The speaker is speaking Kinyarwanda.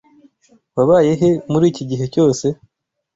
Wabaye he muri iki gihe cyose?